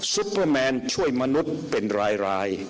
ซุปเปอร์แมนช่วยมนุษย์เป็นราย